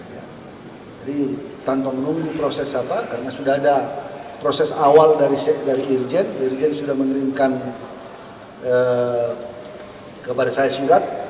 jadi tanpa menunggu proses apa karena sudah ada proses awal dari irjen irjen sudah menerimakan kepada saya surat